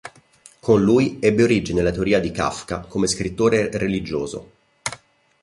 Con lui ebbe origine la teoria di Kafka come scrittore "religioso".